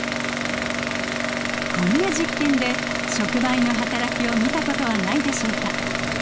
こんな実験で触媒のはたらきを見たことはないでしょうか？